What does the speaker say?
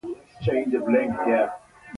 جګړه د بدن نه، د روح زخمي کېدل دي